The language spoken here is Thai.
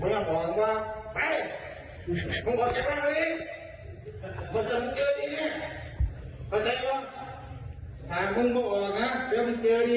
ผีถิ้งคนใดมันอยู่หลังตากมันไม่นองว่าร้องตัวไปโกรธเจอดีเนี่ย